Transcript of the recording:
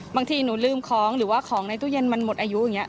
บางทีหนูลืมของหรือว่าของในตู้เย็นมันหมดอายุอย่างนี้